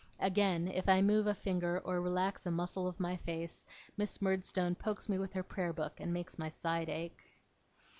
Again, if I move a finger or relax a muscle of my face, Miss Murdstone pokes me with her prayer book, and makes my side ache.